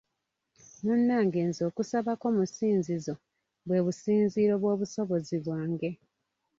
Munnange nze okusabako mu ssinzizo bwe businziiro bw’obusobozi bwange.